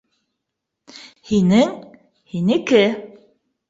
Һинең, һинеке